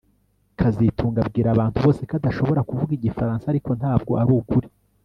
kazitunga abwira abantu bose ko adashobora kuvuga igifaransa ariko ntabwo arukuri